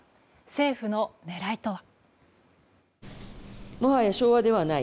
政府の狙いとは。